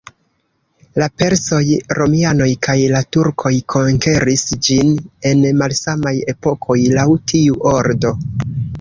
La persoj, romianoj kaj la turkoj konkeris ĝin en malsamaj epokoj laŭ tiu ordo.